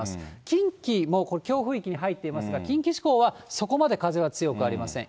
近畿も強風域に入っていますが、近畿地方はそこまで風は強くありません。